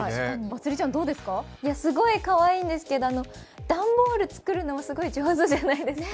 すごいかわいいんですけど、段ボール作るのもすごく上手じゃないですか。